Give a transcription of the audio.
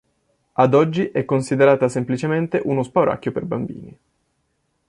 Ad oggi è considerata semplicemente uno spauracchio per bambini.